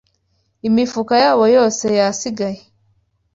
imifuka yabo yose yasigaye